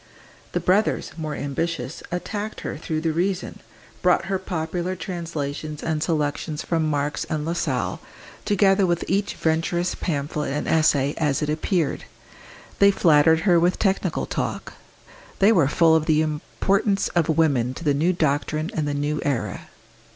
The brothers, more ambitious, attacked her through the reason, brought her popular translations and selections from Marx and Lassalle, together with each Venturist pamphlet and essay as it appeared; they flattered her with technical talk; they were full of the importance of women to the new doctrine and the new era.